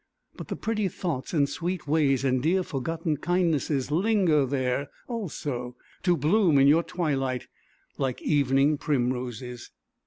But the pretty thoughts and sweet ways and dear, forgotten kindnesses linger there also, to bloom in your twilight like evening primroses.